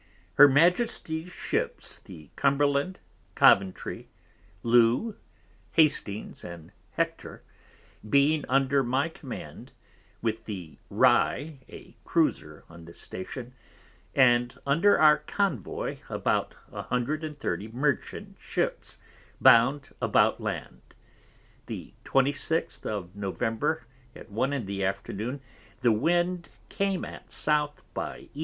Her Majesty's Ships the Cumberland, Coventry, Loo, Hastings and Hector, being under my Command, with the Rye a Cruizer on this Station, and under our Convoy about 130 Merchant Ships bound about Land; the 26th of November at one in the Afternoon the Wind came at S. by E.